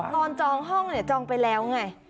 นอนจองห้องจองไปแล้วไง